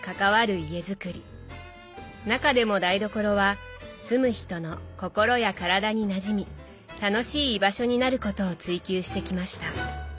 中でも台所は住む人の心や体になじみ楽しい居場所になることを追求してきました。